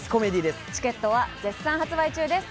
チケットは絶賛発売中です。